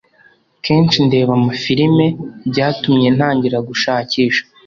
kenshi ndeba amafilime. Byatumye ntangira gushakisha